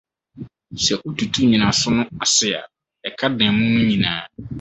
Sɛ wotutu nnyinaso no ase a, ɛka dan mũ no nyinaa.